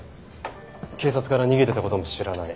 警察から逃げてた事も知らない。